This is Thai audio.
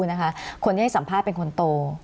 คนที่ให้สัมภาษณ์เป็นคนโต